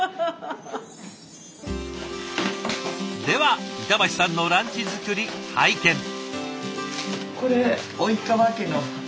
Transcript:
では板橋さんのランチ作り拝見。